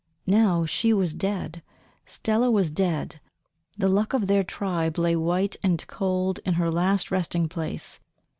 Now she was dead Stella was dead the Luck of their tribe lay white and cold in her last resting place.